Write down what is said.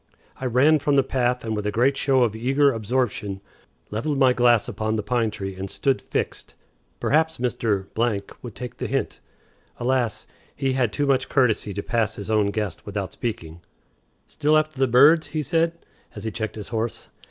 I ran from the path with a great show of eager absorption, leveled my glass upon the pine tree, and stood fixed. Perhaps Mr. would take the hint. Alas! he had too much courtesy to pass his own guest without speaking. "Still after the birds?" he said, as he checked his horse.